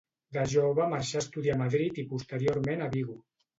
De jove marxà a estudiar a Madrid i posteriorment a Vigo.